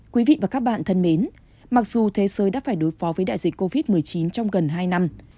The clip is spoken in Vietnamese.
quý vị và các bạn thân mến mặc dù thế giới đã phải đối phó với đại dịch covid một mươi chín trong gần hai năm